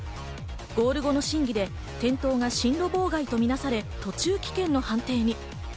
ゴール後の審議で転倒が進路妨害と見なされて、途中棄権の判定に。